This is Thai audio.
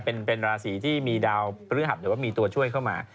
เป็นราศีที่มีดาวพฤหัสหรือว่ามีตัวช่วยเข้ามา